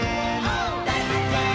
「だいはっけん！」